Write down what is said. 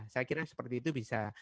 saya kira seperti itu bisa